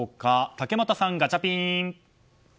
竹俣さん、ガチャピン！